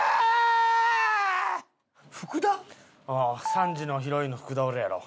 ３時のヒロインの福田おるやろ？